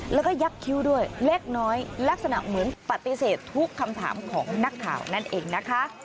แล้วก็ยักษ์คิ้วด้วยเล็กน้อยลักษณะเหมือนปฏิเสธทุกคำถามของนักข่าวนั่นเองนะคะ